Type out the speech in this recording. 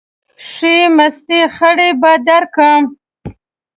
ښې مستې خرې به درکم.